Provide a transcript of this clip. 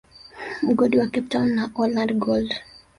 Mgodi wa Cape town na Orland Gold